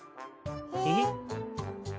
えっ。